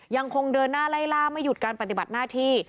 ยังคงเดินหน้าไล่ล่าไม่หยุดการปฏิบัติหน้าที่